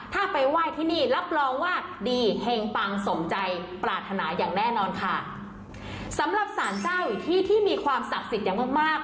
ถ้าไปไหว้ที่นี่รับรองว่าดีเฮงปังสมใจปรารถนาอย่างแน่นอนค่ะสำหรับสารเจ้าอีกที่ที่มีความศักดิ์สิทธิ์อย่างมากมาก